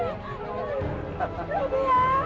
eh munding sari